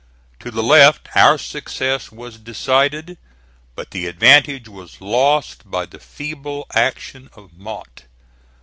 To the left our success was decided, but the advantage was lost by the feeble action of Mott.